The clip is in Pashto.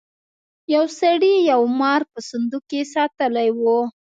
یو سړي یو مار په صندوق کې ساتلی و.